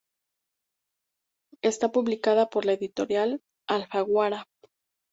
Está publicada por la editorial Alfaguara.